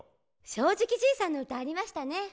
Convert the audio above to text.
「正直じいさん」の歌ありましたね。